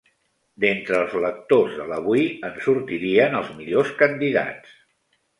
D'entre els lectors de l'AVUI en sortirien els millors candidats.